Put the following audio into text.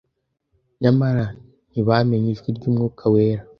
» Nyamara ntibamenye ijwi ry'Umwuka wera.